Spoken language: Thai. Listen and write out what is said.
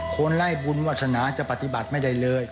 คนไล่บุญวาสนาจะปฏิบัติไม่ได้เลย